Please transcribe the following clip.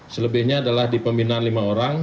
selebihnya adalah di pembinaan lima orang